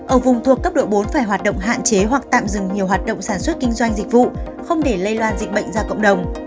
ở vùng thuộc cấp độ bốn phải hoạt động hạn chế hoặc tạm dừng nhiều hoạt động sản xuất kinh doanh dịch vụ không để lây lan dịch bệnh ra cộng đồng